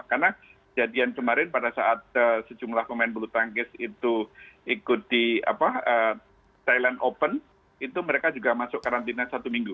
karena jadian kemarin pada saat sejumlah pemain bulu tangkis itu ikuti thailand open itu mereka juga masuk karantina satu minggu